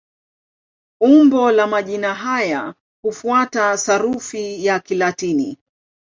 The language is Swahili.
Umbo la majina haya hufuata sarufi ya Kilatini.